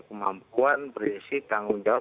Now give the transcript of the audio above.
kemampuan prinsip tanggung jawab